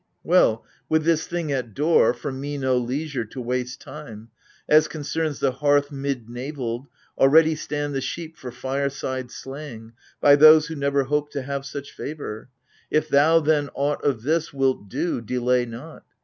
Well, with this thing at door, for me no leisure To waste time : as concerns the hearth mid naveled, Already stand the sheep for fireside slaying By those who never hoped to have such favour. If thou, then, aught of this wilt do, delay not